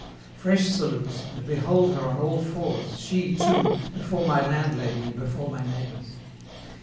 Fresh salutes, and behold her on all fours, she too, before my landlady and before my neighbors.